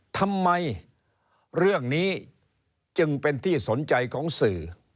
ทำไมเรื่องนี้จึงเป็นที่สนใจของสื่อ